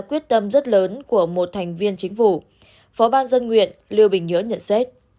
quyết tâm rất lớn của một thành viên chính phủ phó ban dân nguyện lưu bình nhưỡng nhận xét